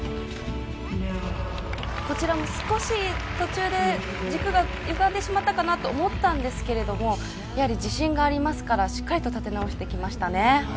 こちらも少し途中で軸がゆがんでしまったと思ったんですが自信がありますからしっかりと立て直してきました。